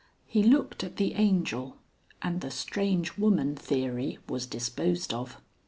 He looked at the Angel, and the "strange woman" theory was disposed of.